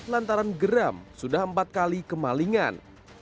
lantaran geram sudah empat kali kemalingan